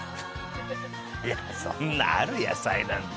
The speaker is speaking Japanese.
いやそんな「ある野菜」なんて。